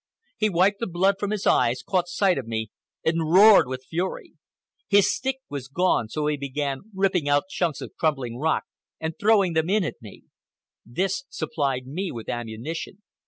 He wiped the blood from his eyes, caught sight of me, and roared with fury. His stick was gone, so he began ripping out chunks of crumbling rock and throwing them in at me. This supplied me with ammunition.